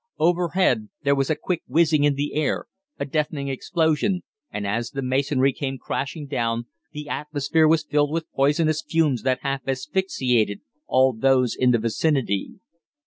Overhead there was a quick whizzing in the air, a deafening explosion, and as the masonry came crashing down the atmosphere was filled with poisonous fumes that half asphyxiated all those in the vicinity.